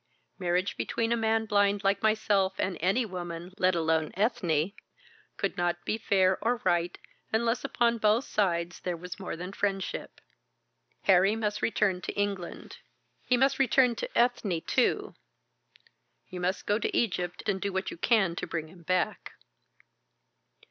Marriage between a man blind like myself and any woman, let alone Ethne, could not be fair or right unless upon both sides there was more than friendship. Harry must return to England. He must return to Ethne, too. You must go to Egypt and do what you can to bring him back."